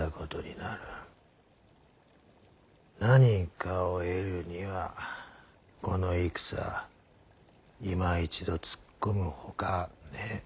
何かを得るにはこの戦いま一度突っ込むほかねえ。